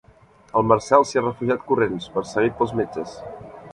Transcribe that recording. El Marcel s'hi ha refugiat corrents, perseguit pels metges.